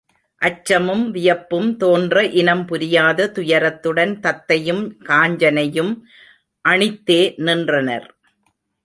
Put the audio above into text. அச்சமும் வியப்பும் தோன்ற இனம் புரியாத துயரத்துடன் தத்தையும் காஞ்சனையும் அணித்தே நின்றனர்.